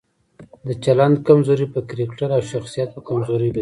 د چلند کمزوري په کرکټر او شخصیت په کمزورۍ بدليږي.